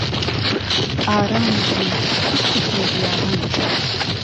ئارامی دڵم خستتمه بیابان